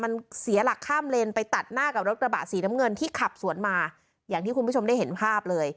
มันเสียหลักข้ามเลนไปตัดหน้ากับรถกระบะสีน้ำเงินที่ขับสวนมาอย่างที่คุณผู้ชมได้เห็นภาพเลย